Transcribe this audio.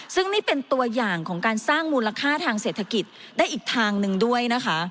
ซึ่งนี่เป็นตัวอย่างของการสร้างมูลค่าทางเศรษฐกิจได้อีกทางหนึ่งด้วยนะคะ